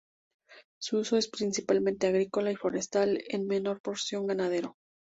Su uso es principalmente agrícola y forestal y en menor porción ganadero.